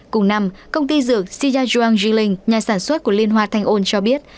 cùng năm công ty dược sijia zhuang jilin nhà sản xuất của liên hoa thanh ôn cho biết